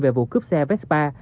về vụ cướp xe vespa